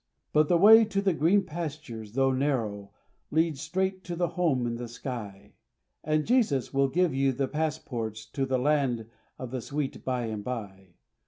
But the way to the green pastures, though narrow, Leads straight to the home in the sky, And Jesus will give you the passports To the land of the sweet by and by.